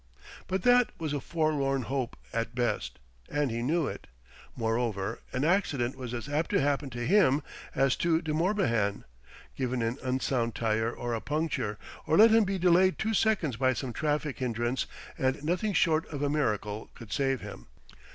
But that was a forlorn hope at best, and he knew it. Moreover, an accident was as apt to happen to him as to De Morbihan: given an unsound tire or a puncture, or let him be delayed two seconds by some traffic hindrance, and nothing short of a miracle could save him....